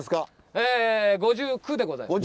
え５９でございます。